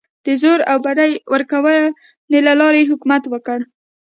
د زور او بډې ورکونې له لارې یې حکومت وکړ.